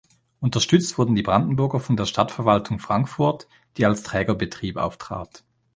Unterstützt wurden die Brandenburger von der Stadtverwaltung Frankfurt, die als Trägerbetrieb auftrat.